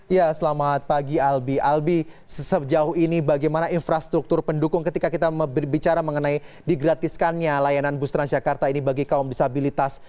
ya selamat pagi albi albi sejauh ini bagaimana infrastruktur pendukung ketika kita berbicara mengenai digratiskannya layanan bus transjakarta ini bagi kaum disabilitas